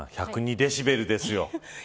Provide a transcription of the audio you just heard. デシベルですよ。